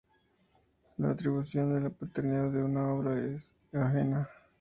la atribución de la paternidad de una obra que es ajena